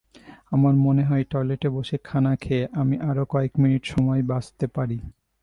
আমার মনে হয় টয়লেটে বসে খানা খেয়ে আমি আরও কয়েক মিনিট সময় বাঁচাতে পারি।